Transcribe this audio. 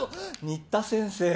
新田先生。